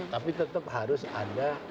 tapi tetap harus ada